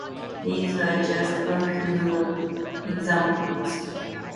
These are just a few examples of the types of money that exist today.